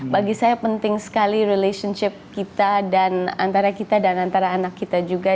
bagi saya penting sekali relationship kita dan antara kita dan antara anak kita juga